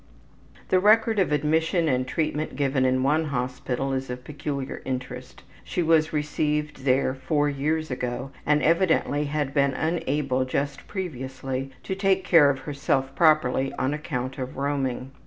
The record of admission and treatment given in one hospital is of peculiar interest. She was received there four years ago and evidently had been unable just previously to take care of herself properly on account of roaming.